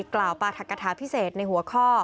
กล่าวปราธกฐาพิเศษในหัวข้อ